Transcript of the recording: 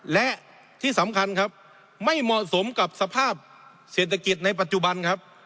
และที่สำคัญครับไม่เหมาะสมกับสภาพเศรษฐกิจในปัจจุบันครับ